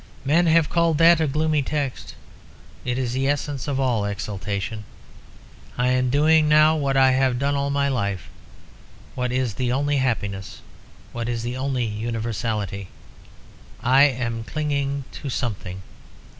"Men have called that a gloomy text. It is the essence of all exultation. I am doing now what I have done all my life, what is the only happiness, what is the only universality. I am clinging to something.